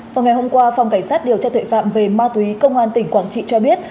vào ngày hôm qua phòng cảnh sát điều tra tuệ phạm về ma túy công an tỉnh quảng trị cho biết